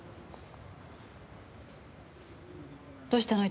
どうしたの？